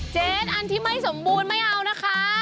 เจนอันที่ไม่สมบูรณ์ไม่เอานะคะ